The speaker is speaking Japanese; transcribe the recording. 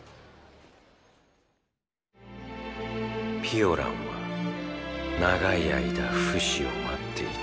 ピオランは長い間フシを待っていた。